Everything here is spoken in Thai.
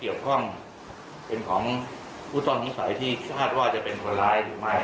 อยู่ในระหว่างตรวจสอบความว่า